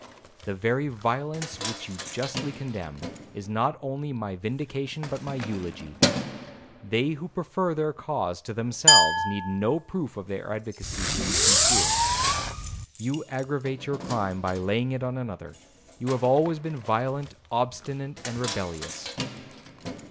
The very violence which you justly condemn, is not only my vindication but my eulogy. They who prefer their cause to themselves, need no proof of their advocacy being sincere.' 'You aggravate your crime, by laying it on another; you have always been violent, obstinate, and rebellious.'